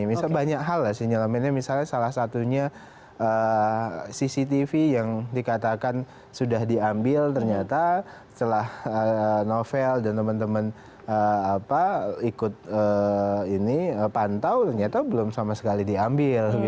misalnya banyak hal lah sinyalemennya misalnya salah satunya cctv yang dikatakan sudah diambil ternyata setelah novel dan teman teman ikut pantau ternyata belum sama sekali diambil